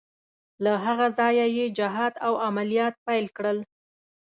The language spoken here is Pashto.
له هغه ځایه یې جهاد او عملیات پیل کړل.